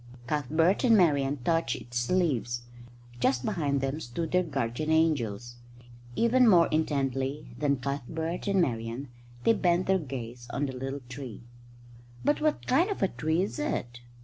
Cuthbert and Marian touched its leaves. Just behind them stood their guardian angels. Even more intently than Cuthbert and Marian they bent their gaze on the little tree. "But what kind of a tree is it?"